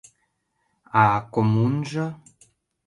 — А коммунжо?